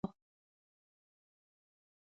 په ځینو مواردو کې واکمنه طبقه لاسپوڅي وو.